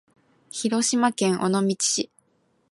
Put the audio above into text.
広島県尾道市